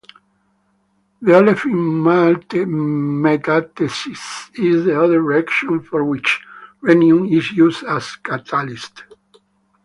The olefin metathesis is the other reaction for which rhenium is used as catalyst.